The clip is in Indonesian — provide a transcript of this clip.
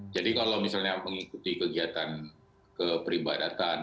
jadi kalau misalnya mengikuti kegiatan keperibadatan